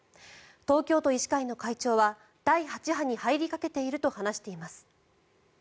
東京都医師会の会長は第８波に入りかけていると話しています。